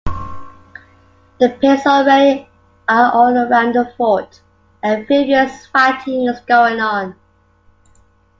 The Picts already are all around the fort, and furious fighting is going on.